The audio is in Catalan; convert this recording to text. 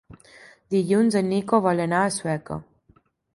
Dilluns en Nico vol anar a Sueca.